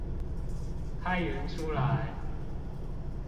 開源出來